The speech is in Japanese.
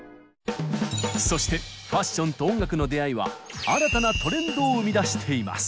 そしてファッションと音楽の出会いは新たなトレンドを生み出しています。